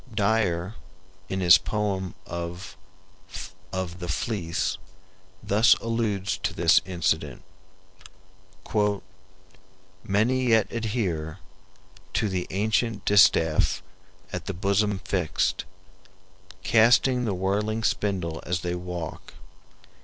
Dyer, in his poem of the "Fleece," thus alludes to this incident: "... many yet adhere To the ancient distaff, at the bosom fixed, Casting the whirling spindle as they walk.